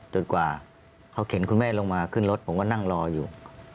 กว่าเขาเข็นคุณแม่ลงมาขึ้นรถผมก็นั่งรออยู่